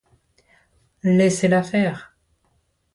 Laissez-la faire.